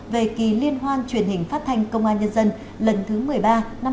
về kỳ liên hoan truyền hình phát thanh công an nhân dân lần thứ một mươi ba năm hai nghìn hai mươi